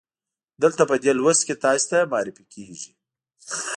دلته په دې لوست کې تاسې ته معرفي کیږي.